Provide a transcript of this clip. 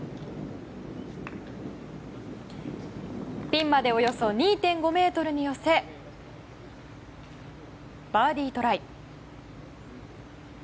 ピンまで、およそ２．５ｍに寄せバーディートライ。